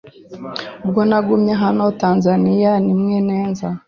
Ubwo nagumye aho Tanzania rimwe nza